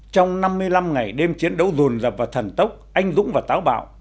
trong năm mươi năm ngày đêm chiến đấu dùn dập và thần tốc anh dũng và táo bạo